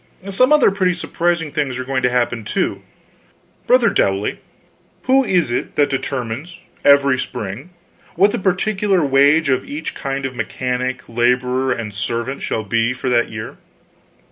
Some other pretty surprising things are going to happen, too. Brother Dowley, who is it that determines, every spring, what the particular wage of each kind of mechanic, laborer, and servant shall be for that year?"